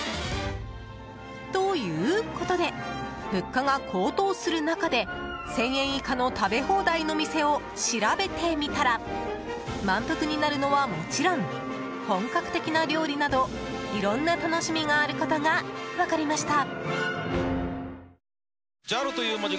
ということで物価が高騰する中で１０００円以下の食べ放題の店を調べてみたら満腹になるのはもちろん本格的な料理などいろんな楽しみがあることが分かりました。